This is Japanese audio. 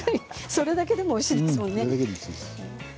それだけでもおいしいですものね。